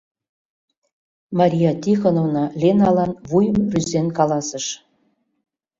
— Мария Тихоновна Леналан вуйым рӱзен каласыш.